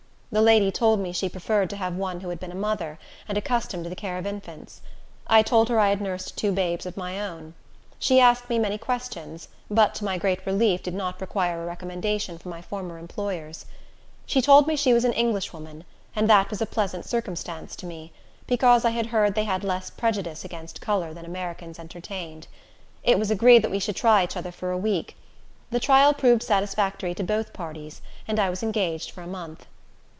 The lady told me she preferred to have one who had been a mother, and accustomed to the care of infants. I told her I had nursed two babes of my own. She asked me many questions, but, to my great relief, did not require a recommendation from my former employers. She told me she was an English woman, and that was a pleasant circumstance to me, because I had heard they had less prejudice against color than Americans entertained. It was agreed that we should try each other for a week. The trial proved satisfactory to both parties, and I was engaged for a month.